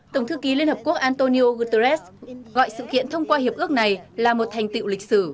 tổng thư ký liên hợp quốc antonio guterres gọi sự kiện thông qua hiệp ước này là một thành tiệu lịch sử